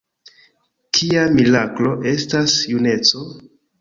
Kia miraklo estas juneco?